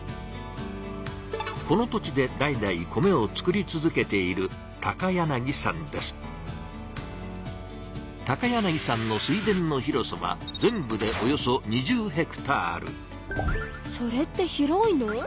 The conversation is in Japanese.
この土地で代代米をつくり続けていさんの水田の広さは全部でおよそ２それって広いの？